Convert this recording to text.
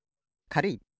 かるい。